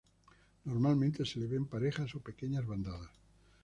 Normalmente se le ve en parejas o pequeñas bandadas.